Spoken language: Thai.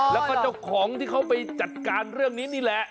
แล้วก็เจ้าของที่เขาไปจัดการเรื่องนี้นี่แหละ